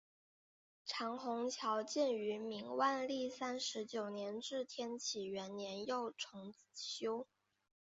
长虹桥建于明万历三十九年至天启元年又重修。